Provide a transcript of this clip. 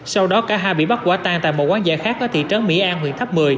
sau đó cả hai bị bắt quả tan tại một quán giải khác ở thị trấn mỹ an huyện tháp một mươi